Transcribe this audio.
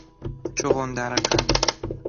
چغندر قند